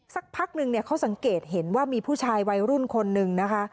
สักพักนึงเนี่ยเขาสังเกตเห็นว่ามีผู้ชายวัยรุ่นคนนึงนะคะ